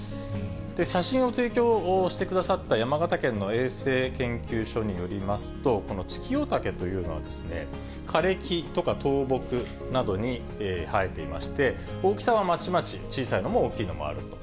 写真を提供してくださった山形県の衛生研究所によりますと、このツキヨタケというのは、枯れ木とか倒木などに生えていまして、大きさはまちまち、小さいのも大きいのもあると。